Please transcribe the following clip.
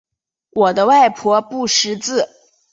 我的外婆不识字